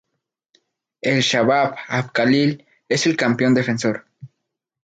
El Shabab Al-Khalil es el campeón defensor.